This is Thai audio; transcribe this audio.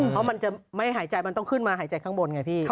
เพราะมันจะไม่หายใจมันต้องขึ้นมาหายใจข้างบนไงพี่